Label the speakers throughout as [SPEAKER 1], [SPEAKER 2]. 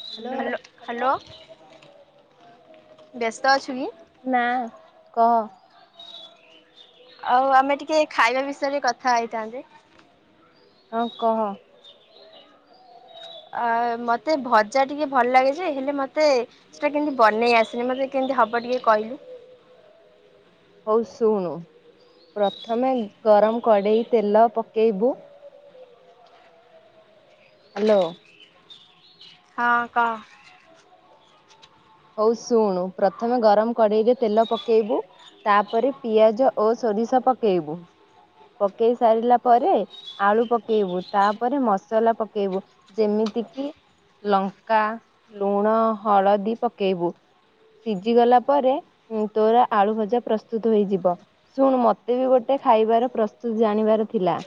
[SPEAKER 1] Hello hello ବ୍ୟସ୍ତ ଅଛୁ କି?
[SPEAKER 2] ନା କହ।
[SPEAKER 1] ଆଉ ଆମେ ଟିକେ ଖାଇବା ବିଷୟରେ କଥା ହେଇଥାନ୍ତେ
[SPEAKER 2] ହଁ କହ।
[SPEAKER 1] ଆ ମତେ ଭଜା ଟିକେ ଭଲ ଲାଗେ ଯେ ହେଲେ ମତେ ସେଟା କେମିତି ବନେଇ ଆସେନି ମତେ କେମିତି ହବ ଟିକେ କହିଲୁ।
[SPEAKER 2] ହଉ ଶୁଣୁ ପ୍ରଥମେ ଗରମ କଡ଼େଇ ତେଲ ପକେଇବୁ। ହ୍ୟାଲୋ।
[SPEAKER 1] ହଁ କହ।
[SPEAKER 2] ହଉ ଶୁଣୁ ପ୍ରଥମେ ଗରମ କଡ଼େଇରେ ତେଲ ପକେଇବୁ। ତାପରେ ପିଆଜ ଓ ସୋରିଷ ପକେଇବୁ। ପକେଇ ସାରିଲା ପରେ ଆଳୁ ପକେଇବୁ ତାପରେ ମସଲା ପକେଇବୁ। ଯେମିତି କିି ଲଙ୍କା ଲୁଣ ହଳଦୀ ପକେଇବୁ। ସିଝି ଗଲା ପରେ ତୋର ଆଳୁ ଭଜା ପ୍ରସ୍ତୁତ ହେଇଯିବ। ଶୁଣୁ ମତେ ବି ଗୋଟେ ଖାଇବାର ପ୍ରସ୍ତୁତ ଜାଣିବାର ଥିଲା?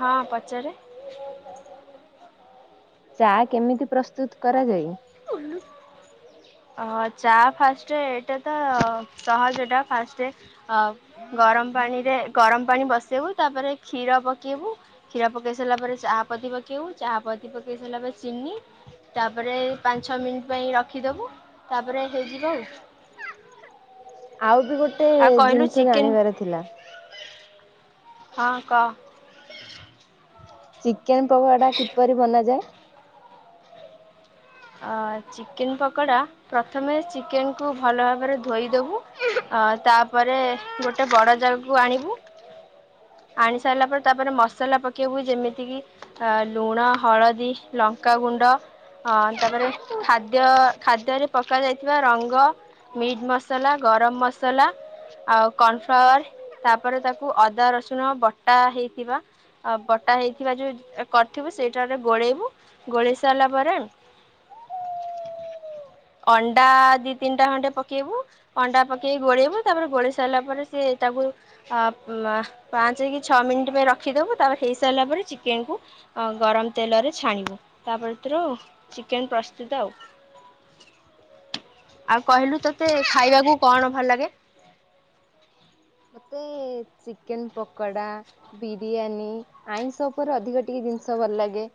[SPEAKER 1] ହଁ ପଚାରେ
[SPEAKER 2] ଚା କେମିତି ପ୍ରସ୍ତୁତ କରାଯାଏ?
[SPEAKER 1] [unintelligible] ଅଁ ଚା ଫାଷ୍ଟେ ଏଇଟା ତ ସହଜ ଟା ଫାଷ୍ଟେ। ଅ ଗରମ ପାଣିରେ ଗରମ ପାଣି ବସେଇବୁ ତାପରେ କ୍ଷୀର ପକେଇବୁ। କ୍ଷୀର ପକେଇ ସାରିଲା ପରେ ଚାହାପତି ପକେଇବୁ ଚାହା ପତି ପକେଇ ସାରିଲା ପରେ ଚିନି ତାପରେ ପାଞ୍ଚ ଛଅ ମିନିଟ୍ ପାଇଁ ରଖିଦବୁ ତାପରେ ହେଇଯିବ ଆଉ।
[SPEAKER 2] ଆଉ ବି ଗୋଟେ
[SPEAKER 1] ଆଉ କହିଲୁ
[SPEAKER 2] ଜିନିଷ ଜାଣିବାର
[SPEAKER 1] ଚିକେନ
[SPEAKER 2] ଥିଲା।
[SPEAKER 1] ହଁ କ।
[SPEAKER 2] ଚିକେନ ପକୋଡା କିପରି ବନାଯାଏ?
[SPEAKER 1] ଅ ଚିକେନ ପକୋଡ଼ା ପ୍ରଥମେ ଚିକେନ କୁ ଭଲ ଭାବରେ ଧୋଇଦବୁ। ଅ ତାପରେ ଗୋଟେ ବଡ ଜାଗାକୁ ଆଣିବୁ। ଆଣି ସାରିଲା ପରେ ତାପରେ ମସଲା ପକେଇବୁ ଯେମିତି କିି ଆଃ ଲୁଣ ହଳଦୀ ଲଙ୍କାଗୁଣ୍ଡ ହଁ ତାପରେ ଖାଦ୍ୟ ଖାଦ୍ୟରେ ପକା ଯାଇଥିବା ରଙ୍ଗ ମିଟ୍ ମସଲା ଗରମ ମସଲା। ଆଉ କର୍ଣଫ୍ଲାୱାର ତାପରେ ତାକୁ ଅଦା ରସୁଣ ବଟା ହେଇଥିବା ଆଉ ବଟା ହେଇଥିବା ଯୋଉ କରିଥିବୁ ସେଇଟାରେ ଗୋଳେଇବୁ ଗୋଳେଇ ସାରିଲା ପରେ ଅଣ୍ଡା ଦି ତିନିଟା ଖଣ୍ଡେ ପକେଇବୁ। ଅଣ୍ଡା ପକେଇକି ଗୋଳେଇବୁ ତାପରେ ଗୋଳେଇ ସାରିଲା ପରେ ସିଏ ତାକୁ ଅ ମା ପାଞ୍ଚ କି ଛଅ ମିନିଟ୍ ପାଇଁ ରଖିଦେବୁ ତାପରେ ହେଇସାରିଲା ପରେ ଚିକେନକୁ ଗରମ ତେଲରେ ଛାଣିବୁ। ତାପରେ ତୋର ଆଉ ଚିକେନ ପ୍ରସ୍ତୁତ ଆଉ। ଆଉ କହିଲୁ ତୋତେ ଖାଇବାକୁ କଣ ଭଲ ଲାଗେ?
[SPEAKER 2] ମୋତେ ଚିକେନ ପକଡା ବିରିୟାନୀ ଆଇଁଷ ଉପରେ ଅଧିକ ଟିକିଏ ଜିନିଷ ଭଲ ଲାଗେ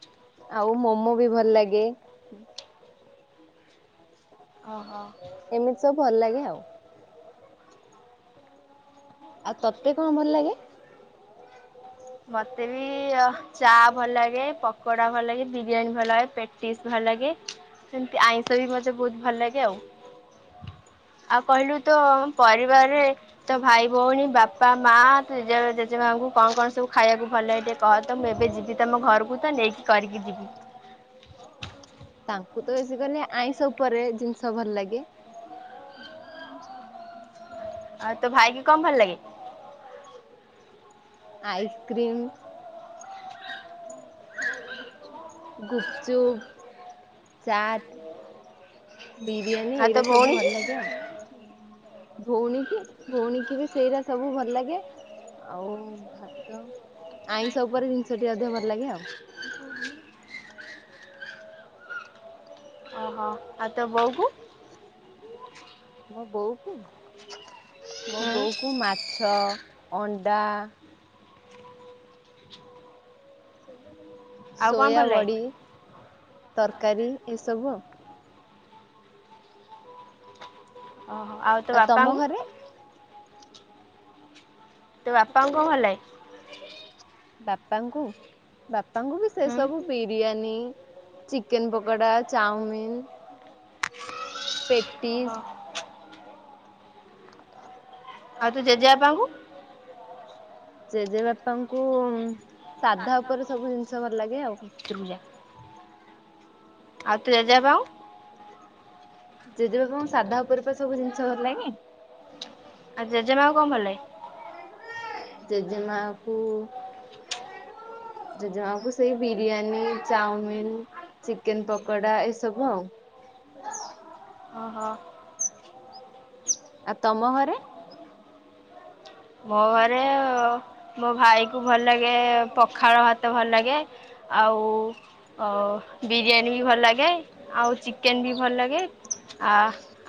[SPEAKER 2] ଆଉ ମୋମୋବି ଭଲ ଲାଗେ
[SPEAKER 1] ଅହ।
[SPEAKER 2] ଏମିତି ସବୁ ଭଲଲାଗେ ଆଉ ଆଉ ତତେ କଣ ଭଲଲାଗେ?
[SPEAKER 1] ମତେବି ଚା ଭଲଲାଗେ ପକଡା ଭଲଲାଗେବି। ବିରିୟାନୀ ଭଲଲାଗେ ପେଟିସ୍ ଭଲଲାଗେ ସେମତି ଆଇଁଷବି ମତେ ବହୁତ ଭଲଲାଗେ ଆଉ। ଆଉ କହିଲୁ ତୋ ପରିବାରରେ ତୋ ଭାଇ ଭଉଣୀ ବାପା ମା ଜେଜେ ଜେଜେମାଙ୍କୁ କଣ କଣ? ସବୁ ଖାଇବାକୁ ଭଲଲାଗେ ଟିକିଏ କହତ ମୁଁ ଏବେ ଯିବି ତମ ଘରକୁତ ନେଇକି କରିକି ଯିବି।
[SPEAKER 2] ତାଙ୍କୁତ ବେଶୀ କରିନି ଆଇଁଷ ଉପରେ ଜିନିଷ ଭଲଲାଗେ।
[SPEAKER 1] ଆଉ ତୋ ଭାଇକିି କଣ ଭଲଲାଗେ?
[SPEAKER 2] ଆଇସ୍କ୍ରିମ। ଗୁପଚୁପ ଚାଟ। ବିରିୟାନୀ
[SPEAKER 1] ଆଉ ତୋ
[SPEAKER 2] ଏଇରା ସବୁ
[SPEAKER 1] ଭଉଣୀ କି?
[SPEAKER 2] ଭଲଲାଗେ ଆଉ। ଭଉଣୀକି ଭଉଣୀକିବି ସେଇରା ସବୁ ଭଲଲାଗେ। ଆଉ ଭାତ ଆଇଁଷ ଉପରେ ଜିନିଷଟି ଅଧିକ ଭଲଲାଗେ ଆଉ। [unintelligible]
[SPEAKER 1] ଅହ ଆଉ ତୋ ବୋଉକୁ।
[SPEAKER 2] ମୋ ବୋଉକୁ ମୋ
[SPEAKER 1] ହୁଁ
[SPEAKER 2] ବୋଉକୁ ମାଛ ଅଣ୍ଡା।
[SPEAKER 1] ଆଉ କଣ ଭଲ ଲାଗେ?
[SPEAKER 2] ସୋୟାବଡି ତରକାରୀ ଏସବୁ ଆଉ।
[SPEAKER 1] ଅହ ଆଉ ତୋ
[SPEAKER 2] ତମ
[SPEAKER 1] ବାପାଙ୍କୁ
[SPEAKER 2] ଘରେ
[SPEAKER 1] ତୋ ବାପାଙ୍କୁ କଣ ଭଲଲାଗେ?
[SPEAKER 2] ବାପାଙ୍କୁ ବାପାଙ୍କୁବି ସେ
[SPEAKER 1] ହୁଁ
[SPEAKER 2] ସବୁ ବିରିୟାନୀ ଚିକେନ ପକଡା ଚାଓମିନ। ପେଟେ
[SPEAKER 1] ଅହ। ଆଉ ତୋ ଜେଜେବାପାଙ୍କୁ
[SPEAKER 2] ଜେଜେବାପାଙ୍କୁ ସାଧା ଉପରେ ସବୁ ଜିନିଷ ଭଲଲାଗେ ଆଉ।
[SPEAKER 1] ଭିତରକୁ ଯାଆ। ଆଉ ତୋ ଜେଜେବାପାଙ୍କୁ।
[SPEAKER 2] ଜେଜେବାପାଙ୍କୁ ସାଧା ଉପରେପା ସବୁ ଜିନିଷ ଗଲଲାଗେ।
[SPEAKER 1] ଆଉ ଜେଜେମାକୁ କଣ ଭଲଲାଗେ?
[SPEAKER 2] ଜେଜେମାଙ୍କୁ
[SPEAKER 1] [inaudible]
[SPEAKER 2] ଜେଜମାକୁ ସେଇ ବିରିୟାନୀ ଚାଓମିିନ ଚିକେନ ପକଡା ଏସବୁ ଆଉ।
[SPEAKER 1] ଅହ।
[SPEAKER 2] ଆଉ ତମ ଘରେ
[SPEAKER 1] ମୋ ଘରେ ମୋ ଭାଇ କୁ ଭଲଲାଗେ ପଖାଳ ଭାତ ଭଲଲାଗେ। ଆଉ ଅ ବିରିୟାନୀବି ଭଲଲାଗେ। ଏ ଆଉ ଚିକେନବି ଭଲଲାଗେ। ଆ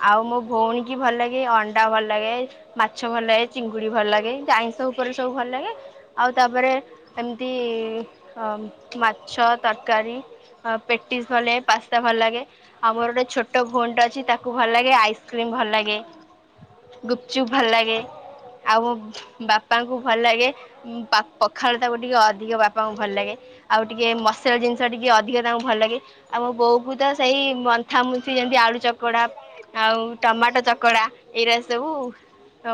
[SPEAKER 1] ଆଉ ମୋ ଭଉଣୀକି ଭଲଲାଗେ ଅଣ୍ଡା ଭଲଲାଗେ ମାଛ ଭଲଲାଗେ ଚିଙ୍ଗୁ ଡି ଭଲଲାଗେ ଆଇଁଷ ଉପରେ ସବୁ ଭଲଲାଗେ। ଆଉ ତାପରେ ହେମିତି ମାଛ ତରକାରୀ। ହଁ ପେଟିସ୍ ଭଳିଆ ପାସ୍ତା ଭଲଲାଗେ। ଆମର ଗୋଟେ ଛୋଟ ଭଉଣୀଟା ଅଛି ତାକୁ ଭଲ ଲାଗେ ଆଇସ୍କ୍ରିମ ଭଲ ଲାଗେ ଗୁପ୍ ଚୁପ ଭଲ ଲାଗେ। ଆଉ ମୋ ବାପାଙ୍କୁ ଭଲ ଲାଗେ ପା ପଖାଳ ତାକୁ ଟିକେ ଅଧିକ ବାପାଙ୍କୁ ଭଲ ଲାଗେ। ଆଉ ଟିକେ ମସଲା ଜିନିଷ ଟିକେ ଅଧିକା ତାଙ୍କୁ ଭଲ ଲାଗେ। ଆଉ ମୋ ବୋଉ କୁ ତ ସେଇ ମନ୍ଥା ମୁଥି ଯେମିତି ଆଳୁଚକ୍ ଚକଡା ଆଉ ଟମାଟୋ ଚକଡା ଏଇରା ସବୁ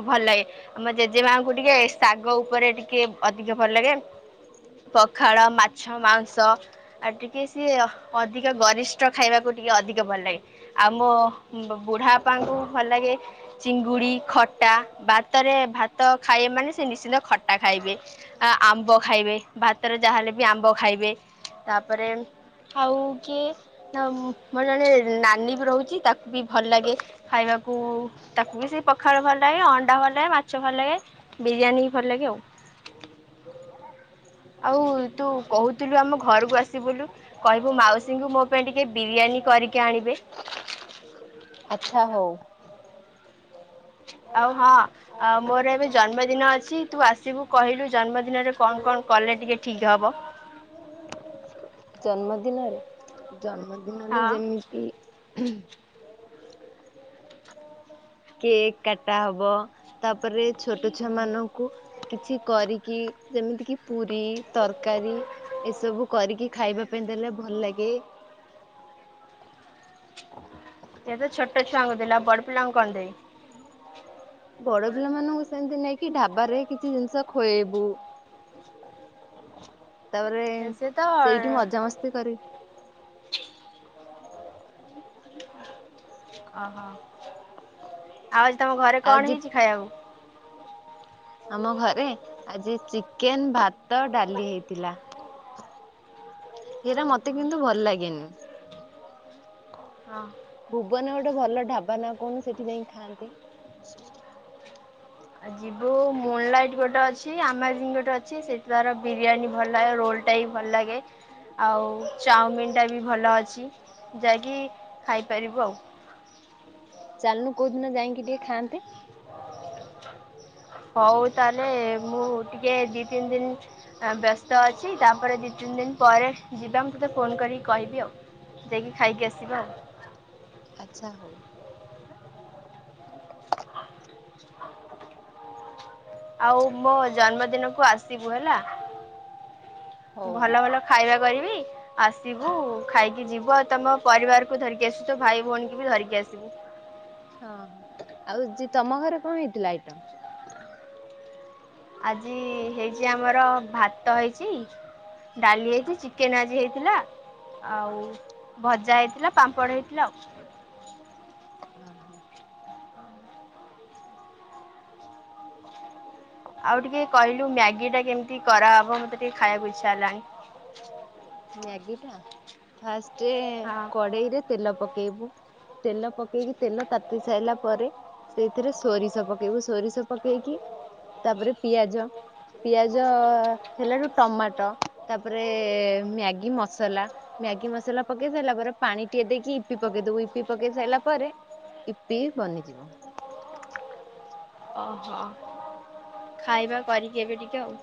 [SPEAKER 1] ଭଲ ଲାଗେ। ଆମ ମୋ ଜେଜେମାଙ୍କୁ ଟିକେ ଶାଗ ଉପରେ ଟିକେ ଅଧିକ ଭଲ ଲାଗେ। ପଖାଳ ମାଛ ମାଂସ ଆଉ ଟିକେ ସିଏ ଅଧିକ ଗରିଷ୍ଠ ଖାଇବାକୁ ଟିକେ ଅଧିକ ଭଲ ଲାଗେ। ଆଉ ମୋ ବୁଢାବାପାଙ୍କୁ ଭଲ ଲାଗେ ଚିଙ୍ଗୁଡି ଖଟା ବା ଭିତରେ ଭାତ ଖାଇବେ ମାନେ ସେ ନିଶ୍ଚିନ୍ତ ଖଟା ଖାଇବେ। ଆ ଆମ୍ବ ଖାଇବେ ଭାତରେ ଯାହେଲେ ବି ଆମ୍ବ ଖାଇବେ। ତାପରେ ଆଉ କିଏ ମୋର ଜଣେ ନାନୀ ବି ରହୁଛି ତାକୁ ବି ଭଲ ଲାଗେ ଖାଇବାକୁ ତାକୁ ବି ସେଇ ପଖାଳ ଭଲ ଲାଗେ ଅଣ୍ଡା ଭଲ ଲାଗେ। ମାଛ ଭଲ ଲାଗେ ବିରିୟାନୀ ଭଲ ଲାଗେ ଆଉ। ଆଉ ତୁ କହୁଥିଲୁ ଆମ ଘରକୁ ଆସିିବୁ ବୋଲି। କହିବୁ ମାଉସୀଙ୍କୁ ମୋ ପାଇଁ ଟିକେ ବିରିୟାନୀ କରିକି ଆଣିବେ।
[SPEAKER 2] ଆଚ୍ଛା ହଉ।
[SPEAKER 1] ଆଉ ହଁ ଆଉ ମୋର ଏବେ ଜନ୍ମଦିନ ଅଛି। ତୁ ଆସିବୁ କହିଲୁ ଜନ୍ମଦିନରେ କଣ କଣ କଲେ ଟିକେ ଠିକ ହବ?
[SPEAKER 2] ଜନ୍ମଦିନରେ
[SPEAKER 1] ହଁ
[SPEAKER 2] ଜନ୍ମଦିନରେ ଯେମିତି କେକ୍ କାଟା ହବ ତାପରେ ଛୋଟ ଛୁଆ ମାନଙ୍କୁ କିଛି କରିକି ଯେମିତିକି ପୁରୀ ତରକାରୀ ଏସବୁ କରିକି ଖାଇବା ପାଇଁ ଦେଲେ ଭଲ ଲାଗେ।
[SPEAKER 1] ଏତ ଛୋଟ ଛୁଆଙ୍କୁ ଦେଲ ବଡ ପିଲାଙ୍କୁ କଣ ଦେବ?
[SPEAKER 2] ବଡ ପିଲା ମାନଙ୍କୁ ସେମିତି ନେଇକି ଢାବାରେ କିଛି ଜିନିଷ ଖୁଆଇବୁ। ତାପରେ
[SPEAKER 1] ସେ ତ
[SPEAKER 2] ସେଇଠି
[SPEAKER 1] ଓହୋ
[SPEAKER 2] ମଜାମସ୍ତି କରି
[SPEAKER 1] ଓହୋ ଆଉ ଆଜି ତମ ଘରେ
[SPEAKER 2] ଆଜି
[SPEAKER 1] କଣ ହେଇଛି ଖାଇବାକୁ?
[SPEAKER 2] ଆମ ଘରେ ଆଜି ଚିକେନ ଭାତ ଡାଲି ହେଇଥିଲା। ଇଏରା ମତେ କିନ୍ତୁ ଭଲ ଲାଗେନି।
[SPEAKER 1] ହଁ।
[SPEAKER 2] ଭୁବନ ଗୋଟେ ଭଲ ଢାବା କଣ ସେଠି ଯାଇ ଖାଆନ୍ତି?
[SPEAKER 1] ଆ ଯିବୁ ମୁନଲାଇଟ୍ ଗୋଟେ ଅଛି ଆମାଜନ୍ ଗୋଟେ ଅଛି ସେଇଠାର ବିରିୟାନୀ ଭଲ ଲାଗେ ରୋଲ ଟା ବି ଭଲ ଲାଗେ। ଆଉ ଚାଉମିିନ ଟା ବି ଭଲ ଅଛି ଯାଇକି ଖାଇପାରିବୁ ଆଉ।
[SPEAKER 2] ଚାଲନୁ କୋଉ ଦିନ ଯାଇକି ଟିକେ ଖାଆନ୍ତେ।
[SPEAKER 1] ହଉ ତାହେଲେ ମୁଁ ଟିକେ ଦି ତିନି ଦିନ ବ୍ୟସ୍ତ ଅଛି ତାପରେ ଦୁଇ ତିନି ଦିନ ପରେ ଯିବା ମୁଁ ତୋତେ ଫୋନ୍ କରିକି କହିବି ଆଉ। ଦେଇକି ଖାଇକି ଆସିବା।
[SPEAKER 2] ଆଚ୍ଛା ହଉ।
[SPEAKER 1] ଆଉ ମୋ ଜନ୍ମଦିନ କୁ ଆସିବୁ ହେଲା।
[SPEAKER 2] ହଉ
[SPEAKER 1] ଭଲ ଭଲ ଖାଇବା କରିବି। ଆସିବୁ ଖାଇକି ଯିବୁ ଆଉ ତମ ପରିବାରକୁୁ ଧରିକି ଆସିବୁ ତୋ ଭାଇ ଭଉଣୀ ବି ଧରିକି ଆସିବୁ।
[SPEAKER 2] ହଁ ଆଉ ଯେ ତମ ଘରେ କଣ ହେଇଥିଲା ଆଇଟମ୍,
[SPEAKER 1] ଆଜି ହେଇଛି ଆମର ଭାତ ହେଇଛି। ଡାଲି ହେଇଛି ଚିକେନ, ଆଜି ହେଇଥିଲା। ଆଉ ଭଜା, ହେଇଥିଲା ପାମ୍ପଡ଼ ହେଇଥିଲା ଆଉ। ଆଉ ଟିକେ କହିଲୁ ମ୍ୟାଗି, ଟା କେମିତି କରାହବ ମତେ ଟିକେ ଖାଇବାକୁ ଇଚ୍ଛା ହେଲାଣି।
[SPEAKER 2] ମ୍ୟାଗି ଟା ଫାଷ୍ଟ
[SPEAKER 1] ହଁ
[SPEAKER 2] କଡେଇରେ ତେଲ, ପକେଇବୁ ତେଲ ପକେଇକି ତେଲ ତାତିଲେ ତାତି ସାରିଲା ପରେ ସେଇଥିରେ ସୋରିଷ, ପକେଇବୁ। ସୋରିଷ, ପକେଇକି ତାପରେ ପିଆଜ, ପିଆଜ ହେଲାଠୁ ଟମାଟୋ, ତାପରେ ମ୍ୟାଗି ମସଲା, ମ୍ୟାଗି ମସଲା ପକେଇ ସାରିଲା ପରେ ପାଣି ଟିକେ ଦେଇକି ଇପି ପକେଇ ଦବୁ। ଇପି ପକେଇ ସାରିଲା ପରେ ଇପି ବନିଯିବ।
[SPEAKER 1] ଓହୋ ଖାଇବା କରିକି ଏବେ ଟିକେ ଆଉ,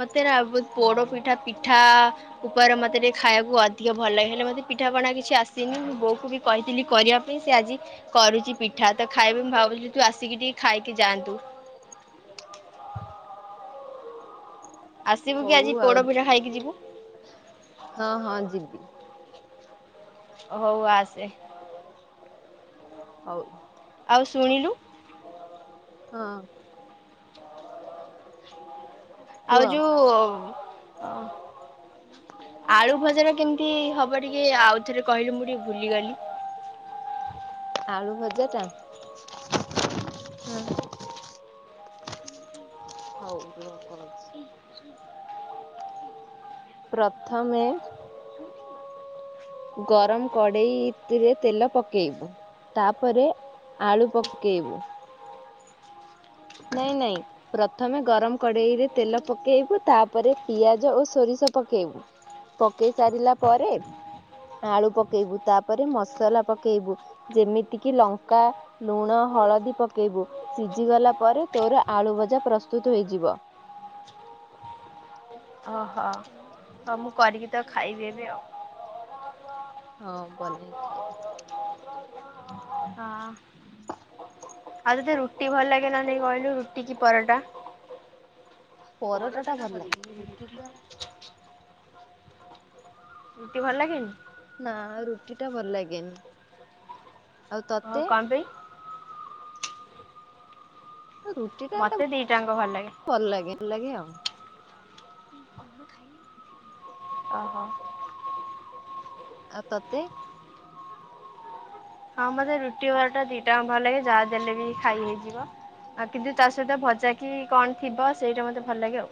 [SPEAKER 1] ମତେନା ବହୁତ
[SPEAKER 2] ହୁଁ
[SPEAKER 1] ପୋଡପିଠା, ପିଠା, କୁକୁର ମତ ଟେ ଖାଇବାକୁ ଅଧିକ ଭଲ ଲାଗେ ହେଲେ ମୋତେ ପିଠାପଣା କିଛି ଆସିନି ମୁଁ ବୋଉକୁ ବି କହିଥିଲି କରିବା ପାଇଁ ସେ ଆଜି [inaudible] କରୁଛି ପିଠା ତ ଖାଇବି ମୁଁ ଭାବୁଛି ତୁ ଆସିକି ଟିକେ ଖାଇକି ଯାଆନ୍ତୁ। ଆସିବୁ କି
[SPEAKER 2] ହଉ
[SPEAKER 1] ଆଜି
[SPEAKER 2] ଆଉ
[SPEAKER 1] ପୋଡପିଠା, ଖାଇକି ଯିବୁ,
[SPEAKER 2] ହଁ ହଁ ଯିବି।
[SPEAKER 1] ହଉ ଆସେ
[SPEAKER 2] ହଉ
[SPEAKER 1] ଆଉ ଶୁଣିଲୁ,
[SPEAKER 2] ହଁ,
[SPEAKER 1] ଆଉ
[SPEAKER 2] କୁହ
[SPEAKER 1] ଯୋଉ, ଆଳୁ ଭଜାଟା କେମିତି ହବ ଟିକେ ଆଉ ଥରେ କହିଲୁ ମୁଁ ଟିକେ ଭୁଲିଗଲି,
[SPEAKER 2] ଆଳୁ ଭଜାଟା [inaudible] [inaudible]
[SPEAKER 1] ହଁ [inaudible]
[SPEAKER 2] ହଉ ରଛି [inaudible] ପ୍ରଥମେ, ଗରମ କଡେଇରେ ତେଲ, ପକେଇବୁ ତାପରେ ଆଳୁ, ପକେଇବୁ ନାଇଁ ନାଇଁ, ପ୍ରଥମେ ଗରମ କଡେଇରେ ତେଲ, ପକେଇବୁ ତାପରେ ପିଆଜ, ଓ ସୋରିଷ, ପକେଇବୁ ପକେଇ ସାରିଲା ପରେ ଆଳୁ ପକେଇବୁ ତାପରେ ମସଲା, ପକେଇବୁ ଯେମିତି କିି ଲଙ୍କା, ଲୁଣ, ହଳଦୀ, ପକେଇବୁ ସିଝିଗଲା ପରେ ତୋର ଆଳୁ ଭଜା ପ୍ରସ୍ତୁତ ହେଇଯିବ।
[SPEAKER 1] ଓହୋ ହଉ ମୁଁ କରିକି ତ ଖାଇବି ଏବେ ଆଉ
[SPEAKER 2] ହଁ ବନେଇକି ଖାଇବି [inaudible]
[SPEAKER 1] ହଁ, ଆଉ ତତେ ରୁଟି ଭଲ ଲାଗେ ନା ନାଇ କହିଲୁ ରୁଟି କି ପରଟା ପରଟାଟା ଭଲ ଲାଗେ
[SPEAKER 2] କି କ [inaudible]
[SPEAKER 1] ରୁଟି, ଭଲ ଲାଗେନି
[SPEAKER 2] ନା, ରୁଟି ଟା ଭଲ ଲାଗେନି ଆଉ
[SPEAKER 1] ଓ
[SPEAKER 2] ତତେ।
[SPEAKER 1] କଣ ପାଇଁ?
[SPEAKER 2] ରୁଟି ଟା
[SPEAKER 1] ମତେ ଦିଟାଙ୍କ ଭଲ ଲାଗେ
[SPEAKER 2] [inaudible] ଭଲ ଲାଗେ ଭଲ ଲାଗେ ଆଉ।
[SPEAKER 1] [inaudible] ଓହୋ।
[SPEAKER 2] ଆଉ ତୋତେ।
[SPEAKER 1] ହଁ, ମତେ ରୁଟି ପରଟା ଦିଟା ଭଲ ଲାଗେ। ଯାହା ଦେଲେ ବି ଖାଇ ହେଇଯିବ। ଆଉ କିନ୍ତୁ ତା ସହିତ ଭଜା କି କଣ ଥିବ, ସେଇଟା ମତେ ଭଲ ଲାଗେ ଆଉ।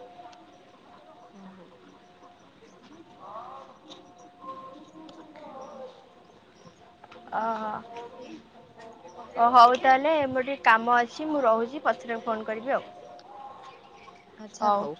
[SPEAKER 2] [inaudible]
[SPEAKER 1] [inaudible] ଓ, ହଉ ତାହେଲେ। ମୋର ଟିକେ କାମ ଅଛି, ମୁଁ ରହୁଛି। ପଛରେ ଫୋନ୍ କରିବି ଆଉ।
[SPEAKER 2] ଆଚ୍ଛା, ହଉ।